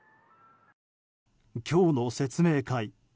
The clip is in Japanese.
今日の説明会。